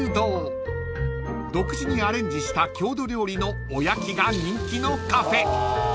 ［独自にアレンジした郷土料理のおやきが人気のカフェ］